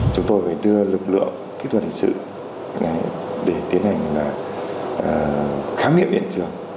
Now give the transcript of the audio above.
chúng tôi phải đưa lực lượng kỹ thuật hình sự để tiến hành khám nghiệm hiện trường